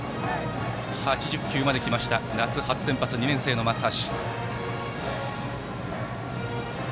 ８０球まできた夏初先発の２年生、松橋。